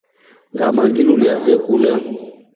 Ngama ngiluiya se kulya.